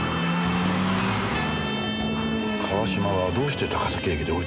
川島はどうして高崎駅で降りたんですかね？